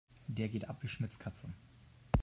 Der geht ab wie Schmitz' Katze.